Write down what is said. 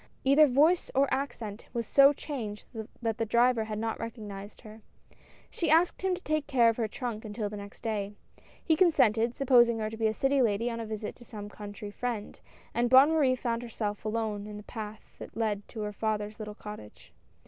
Either voice or accent was so changed that the driver had not recog nized her. She asked him to take care of her trunk until the next day. He consented, supposing her to be a city lady on a visit to some country friend, and Bonne Marie found herself alone in the path that led to her father's little cottage.